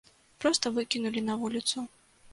Проста выкінулі на вуліцу.